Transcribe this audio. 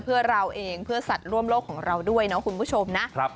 เพื่อเราเองเพื่อสัตว์ร่วมโลกของเราด้วยเนาะคุณผู้ชมนะ